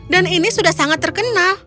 dan ini sudah sangat terkenal